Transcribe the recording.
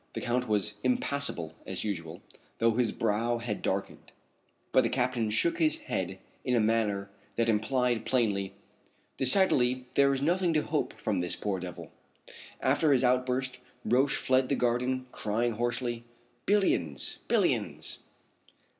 The Count was impassible as usual, though his brow had darkened, but the captain shook his head in a manner that implied plainly: "Decidedly there is nothing to hope from this poor devil!" After his outburst Roch fled across the garden crying hoarsely: "Billions! Billions!"